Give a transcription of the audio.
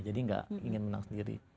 jadi gak ingin menang sendiri